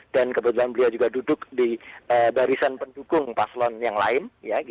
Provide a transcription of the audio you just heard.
dan kebetulan beliau juga duduk di barisan pendukung paslon yang lain